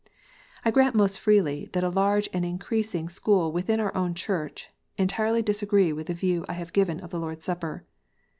I grant most freely that a large and increasing school within our own Church entirely disagree with the view I have given of the Lord s Supper.